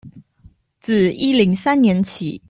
自一零三年起